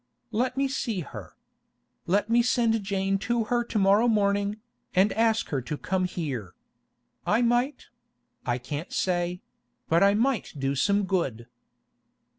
'Let me see her. Let me send Jane to her to morrow morning, and ask her to come here. I might—I can't say—but I might do some good.